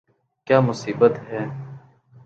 !کیا مصیبت ہے